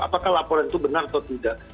apakah laporan itu benar atau tidak